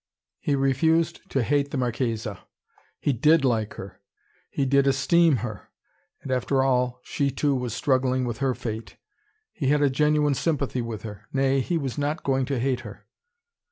He refused to hate the Marchesa. He did like her. He did esteem her. And after all, she too was struggling with her fate. He had a genuine sympathy with her. Nay, he was not going to hate her.